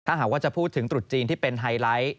ถ้าหากว่าจะพูดถึงตรุษจีนที่เป็นไฮไลท์